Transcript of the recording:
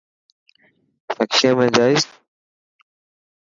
رڪشي ۾ جائس.